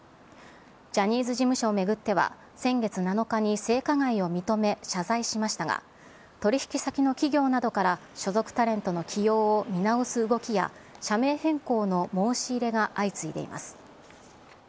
ジャニーズ事務所を巡っては、先月７日に性加害を認め、謝罪しましたが、取り引き先の企業などから、所属タレントの起用を見直す動きや、社名変更の申し入れが相次いでいます。